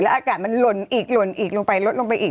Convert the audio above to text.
อากาศมันหล่นอีกหล่นอีกลงไปลดลงไปอีก